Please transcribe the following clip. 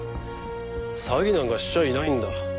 詐欺なんかしちゃいないんだ。